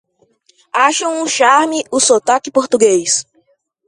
Acho um charme o sotaque português!